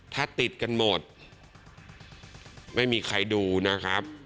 ถ้าติดกันหมดไม่มีใครดูนะครับ